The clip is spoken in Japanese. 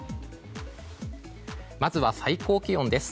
まずは最高気温です。